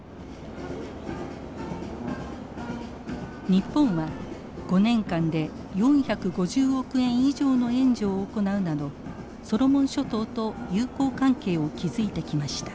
日本は５年間で４５０億円以上の援助を行うなどソロモン諸島と友好関係を築いてきました。